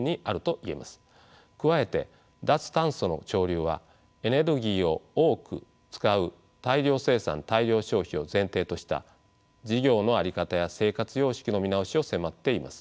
加えて脱炭素の潮流はエネルギーを多く使う大量生産大量消費を前提とした事業の在り方や生活様式の見直しを迫っています。